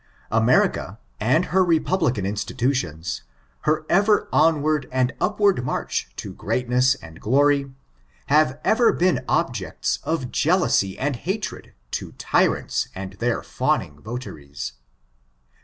America, and her republican institutions; her ever onward and upward march to greatness and glory; have ever been objects of jealousy and hatred to tyrants and their fawning votaries.